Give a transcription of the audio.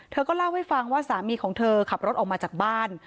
เธอก็เล่าให้ฟังว่าสามีของเธอขับรถออกมาจากบ้าน